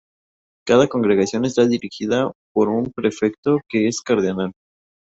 Cada congregación está dirigida por un prefecto, que es cardenal.